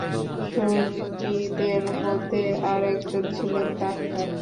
সঙ্গীদের মধ্যে আর একজন ছিলেন ডাক্তার।